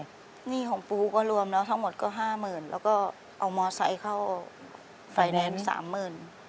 หนี้ของปูก็รวมแล้วทั้งหมดก็ห้าหมื่นแล้วก็เอามอไซค์เข้าไฟแนนซ์สามหมื่น